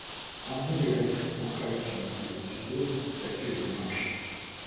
Hormis les rectrices centrales qui ont la couleur du dos, sa queue est blanche.